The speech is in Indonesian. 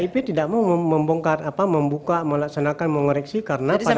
tapi kip tidak mau membuka melaksanakan mengoreksi karena pada saat itu